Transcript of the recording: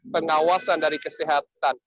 pengawasan dari kesehatan